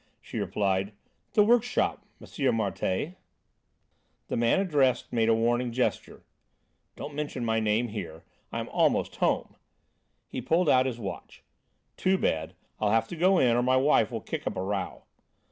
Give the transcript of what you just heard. she replied, "the workshop, M. Martialle." The man addressed made a warning gesture. "Don't mention my name here; I'm almost home." He pulled out his watch. "Too bad; I'll have to go in or my wife will kick up a row.